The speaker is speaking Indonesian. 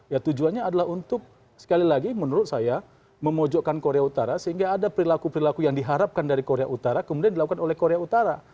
ya tujuannya adalah untuk sekali lagi menurut saya memojokkan korea utara sehingga ada perilaku perilaku yang diharapkan dari korea utara kemudian dilakukan oleh korea utara